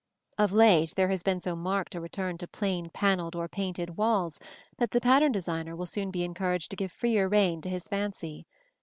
Of late there has been so marked a return to plain panelled or painted walls that the pattern designer will soon be encouraged to give freer rein to his fancy.